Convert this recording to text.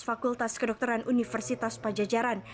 fakultas kedokteran universitas pajajaran